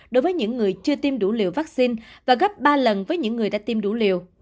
đối với những người chưa tiêm đủ liều vaccine và gấp ba lần với những người đã tiêm đủ liều